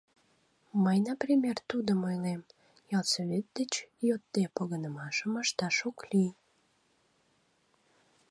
Мый, например, тудым ойлем: ялсовет деч йодде, погынымашым ышташ ок лий...